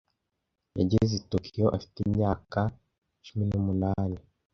Yageze i Tokiyo afite imyaka cumi n'umunani.